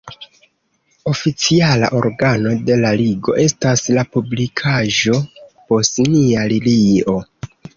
Oficiala organo de la Ligo estas la publikaĵo "Bosnia Lilio".